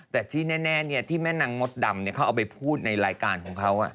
แต่ที่แน่ที่แม่นางมดดำเขาเอาไปพูดในรายการของเขา